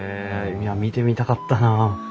いや見てみたかったなあ。